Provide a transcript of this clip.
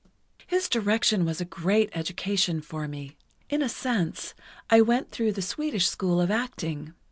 "His direction was a great education for me. In a sense, I went through the Swedish school of acting.